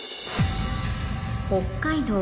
北海道